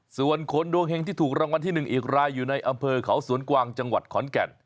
ส่วนคนดวงเห็งที่ถูกรางวัลที่๑อีกรายอยู่ในอำเภอเขาสวนกวางจังหวัดขอนแก่น